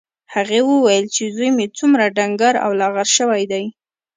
هغې وویل چې زوی مې څومره ډنګر او لاغر شوی دی